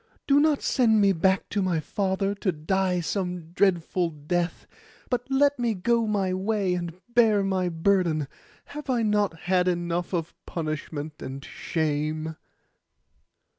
Do not send me back to my father to die some dreadful death; but let me go my way, and bear my burden. Have I not had enough of punishment and shame?